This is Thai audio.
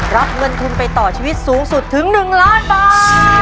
รับเงินทุนไปต่อชีวิตสูงสุดถึง๑ล้านบาท